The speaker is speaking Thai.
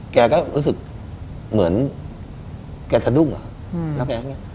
แกก็รู้สึกเหมือนแกทดุ้งเหรอ